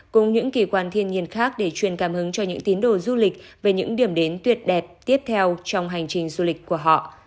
cùng những kỳ quan thiên nhiên khác để truyền cảm hứng cho những tín đồ du lịch về những điểm đến tuyệt đẹp tiếp theo trong hành trình du lịch của họ